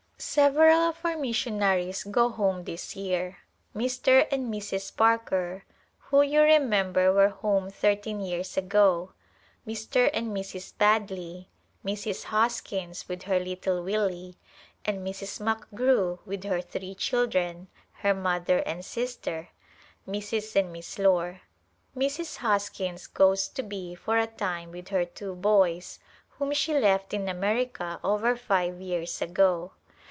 Several of our missionaries go home this year, — Mr. and Mrs. Parker who, you remember, were home thirteen years ago, Mr. and Mrs. Badley, Mrs. Hos kins with her little Willie, and Mrs. McGrew with [H5] A Gliinpse of hidia her three children, her mother and sister, Mrs. and Miss Lore. Mrs. Hoskins goes to be for a time with her two boys whom she left in America over five years ago.